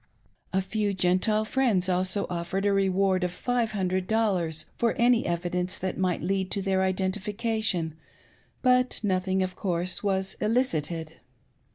A few Gentile friends also offered a reward of five hundred dollars for any evidence that might lead to their identification, but nothing, of course, was elicited.